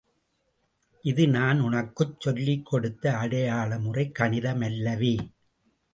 இது நான் உனக்குச் சொல்லிக் கொடுத்த அடையாளமுறைக் கணிதம் அல்லவே.